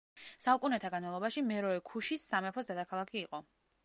საუკუნეთა განმავლობაში, მეროე ქუშის სამეფოს დედაქალაქი იყო.